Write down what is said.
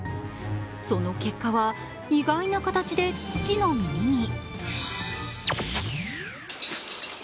その結果は意外な形で父の耳に。